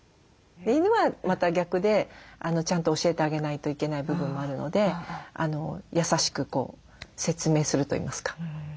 犬はまた逆でちゃんと教えてあげないといけない部分もあるので優しく説明するといいますか。